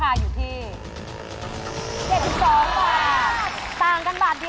และสองมีที่